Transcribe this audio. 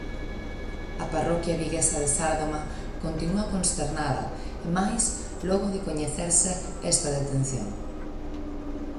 A parroquia viguesa de Sárdoma continúa consternada e máis logo de coñecerse esta detención.